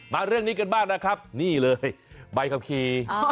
เรื่องนี้กันบ้างนะครับนี่เลยใบขับขี่